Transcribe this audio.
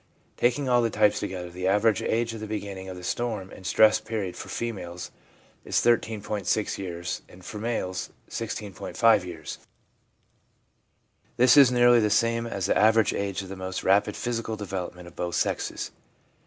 Taking all the types together, the average age of the beginning of the storm and stress period for females is 13.6 years, and for males 16.5 years. This is nearly the same as the average age of the most rapid physical development of both sexes.